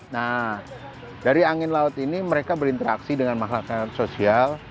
nah dari angin laut ini mereka berinteraksi dengan masalah sosial